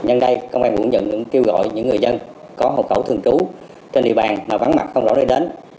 nhân đây công an quận dần cũng kêu gọi những người dân có hộ khẩu thường trú trên địa bàn mà vắng mặt không rõ đây đến